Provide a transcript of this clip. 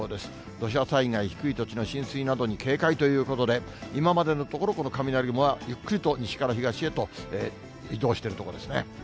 土砂災害、低い土地の浸水などに警戒ということで、今までのところ、この雷雲は、ゆっくりと西から東へと、移動しているところですね。